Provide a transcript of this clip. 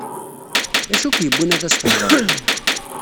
D acu i k-yewwin ad as-theḍṛeḍ?